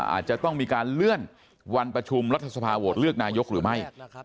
อาจจะต้องมีการเลื่อนวันประชุมรัฐสภาโหวตเลือกนายกหรือไม่